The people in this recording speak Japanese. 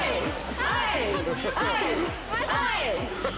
はい！